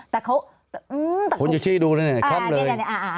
แต่เขาคุณจะชี้ดูเลยคล้ำเลย